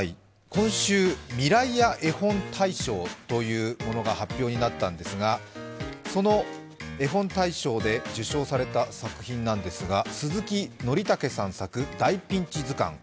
今週、未来屋えほん大賞というものが発表になったんですがそのえほん大賞で受賞された作品なんですが、鈴木のりたけさん作「大ピンチずかん」。